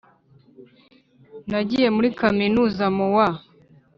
Nagiye muri kaminuza mu wa